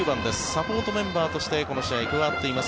サポートメンバーとしてこの試合、加わっています